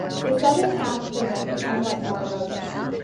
The southern half of the rim is somewhat more eroded.